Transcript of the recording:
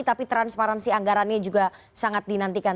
tapi transparansi anggarannya juga sangat dinantikan